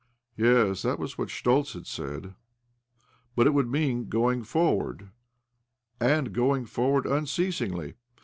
kYes, that was what Schtoltz had said. But it would mean going forward, and going forward unceasingly.